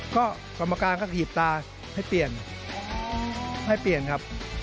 ก็กรรมการก็ถีบตาให้เปลี่ยนให้เปลี่ยนครับ